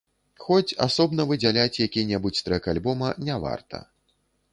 Хоць асобна выдзяляць які-небудзь трэк альбома не варта.